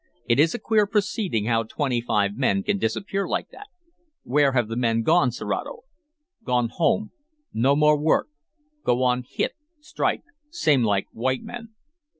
"It is a queer proceeding how twenty five men can disappear like that. Where have the men gone, Serato?" "Gone home. No more work. Go on hit strike same like white men."